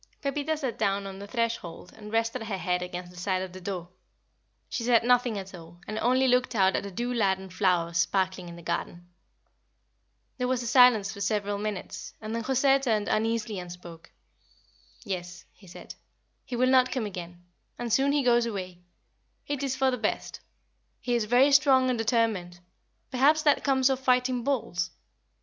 [Illustration: Pepita sat down on the threshold 115] Pepita sat down on the threshold and rested her head against the side of the door. She said nothing at all, and only looked out at the dew laden flowers sparkling in the garden. There was silence for several minutes, and then José turned uneasily and spoke. "Yes," he said, "he will not come again; and soon he goes away. It is for the best. He is very strong and determined. Perhaps that comes of fighting bulls.